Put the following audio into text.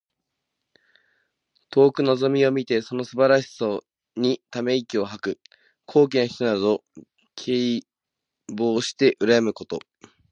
遠くのぞみ見てその素晴らしさにため息を吐く。高貴の人などを敬慕してうらやむこと。